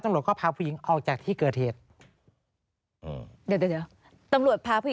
ตำรวจพาผู้หญิงออกจากที่เกิดเหตุ